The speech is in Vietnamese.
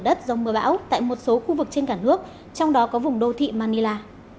đất giống mưa bão tại một số khu vực trên cả nước trong đó có vùng đô thị manila